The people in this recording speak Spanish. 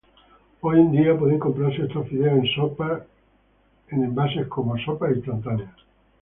Hoy en día puede comprarse estos fideos en sopa en envases como "sopas instantáneas".